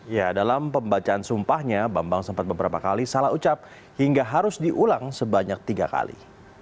ya dalam pembacaan sumpahnya bambang sempat beberapa kali salah ucap hingga harus diulang sebanyak tiga kali